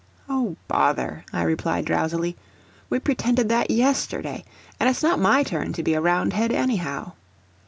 "O bother," I replied drowsily, "we pretended that yesterday; and it's not my turn to be a Roundhead, anyhow."